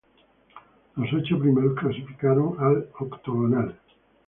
Los ocho primeros clasificaron al Octogonal.